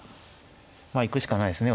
まあ行くしかないですね